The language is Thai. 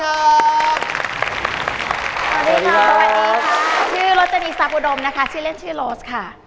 สวัสดีครับชื่อโรจนีทรัพย์อุดมนะคะชื่อเล่นชื่อโรสค่ะ